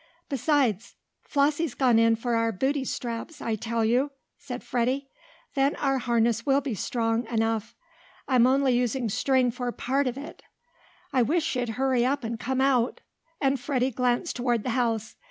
"Besides " "Flossie's gone in for our booty straps, I tell you!" said Freddie. "Then our harness will be strong enough. I'm only using string for part of it. I wish she'd hurry up and come out!" and Freddie glanced toward the house.